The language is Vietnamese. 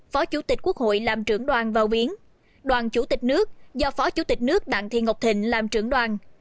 phó chủ tịch quốc hội làm trưởng đoàn vào viến đoàn chủ tịch nước do phó chủ tịch nước đặng thị ngọc thịnh làm trưởng đoàn